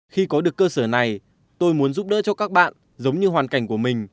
khi có được cơ sở này tôi muốn giúp đỡ cho các bạn giống như hoàn cảnh của mình